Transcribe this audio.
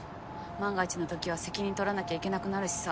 万が一のときは責任取らなきゃいけなくなるしさ。